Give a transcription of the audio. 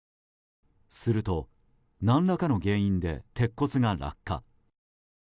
すると、何らかの原因で鉄骨が落下。